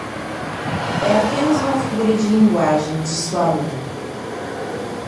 É apenas uma figura de linguagem, disse o aluno.